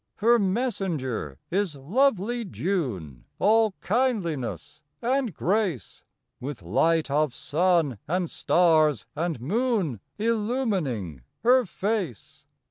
Her Messenger is lovely June, All kindliness and grace, With light of sun and stars and moon, Illumining her face.